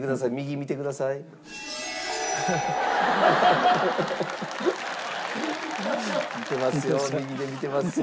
見てますよ。